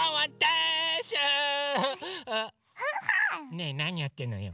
ねえなにやってんのよ。